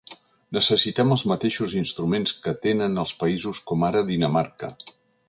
Necessitem els mateixos instruments que tenen els països com ara Dinamarca.